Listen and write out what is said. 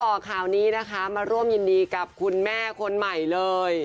ข่าวนี้นะคะมาร่วมยินดีกับคุณแม่คนใหม่เลย